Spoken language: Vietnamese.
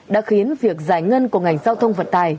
đã khiến việc giải ngân của ngành giao thông vận tài